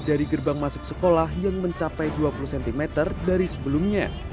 dari gerbang masuk sekolah yang mencapai dua puluh cm dari sebelumnya